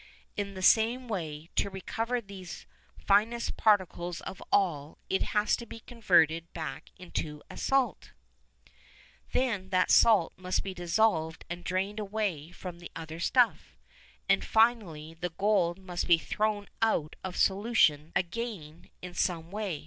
In the same way, to recover these finest particles of all, it has to be converted back into a salt; then that salt must be dissolved and drained away from the other stuff; and, finally, the gold must be thrown out of solution again in some way.